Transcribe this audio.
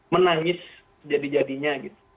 menangis sejadi jadinya gitu